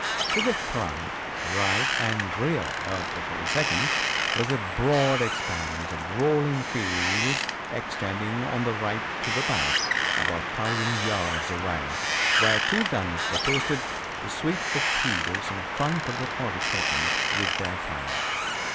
To the front, right and rear of the 42d was a broad expanse of rolling fields extending on the right to the pike, about 1,000 yards away, where two guns were posted to sweep the fields in front of the 42d with their fire.